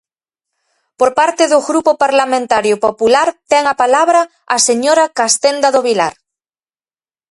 Por parte do Grupo Parlamentario Popular ten a palabra a señora Castenda do Vilar.